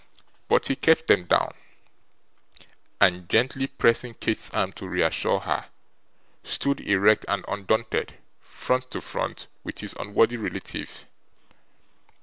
But he kept them down, and gently pressing Kate's arm to reassure her, stood erect and undaunted, front to front with his unworthy relative.